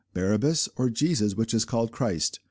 Barabbas, or Jesus which is called Christ?